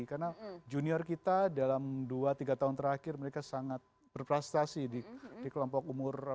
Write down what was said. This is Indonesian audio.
karena junior kita dalam dua tiga tahun terakhir mereka sangat berprestasi di kelompok umur